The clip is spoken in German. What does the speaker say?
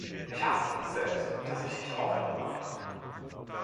Ich hasste mich selbst, dass ich nicht aufhören konnte.